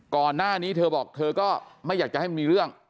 ก่อนหน้านี้เธอบอกเธอก็ไม่อยากจะให้มันมีเรื่อง